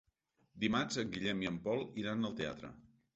Dimarts en Guillem i en Pol iran al teatre.